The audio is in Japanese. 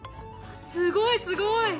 すごいすごい！